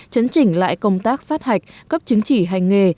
chấn chỉnh lại công tác sát hạch cấp chứng chỉ hành nghề